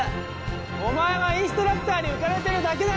お前はインストラクターに浮かれてるだけだろ！